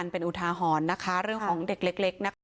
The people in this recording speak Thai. เราก็บอกไม่ถูก